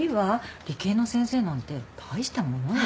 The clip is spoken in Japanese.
理系の先生なんて大したものよ。